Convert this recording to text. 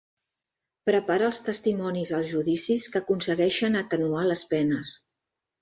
Prepara els testimonis als judicis que aconsegueixen atenuar les penes.